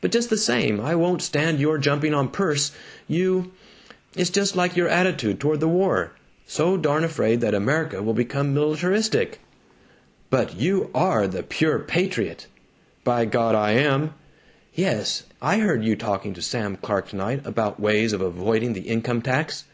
But just the same, I won't stand your jumping on Perce. You It's just like your attitude toward the war so darn afraid that America will become militaristic " "But you are the pure patriot!" "By God, I am!" "Yes, I heard you talking to Sam Clark tonight about ways of avoiding the income tax!"